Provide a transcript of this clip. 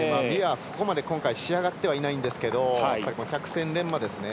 そこまで今回仕上がってはいないんですけど百戦錬磨ですね。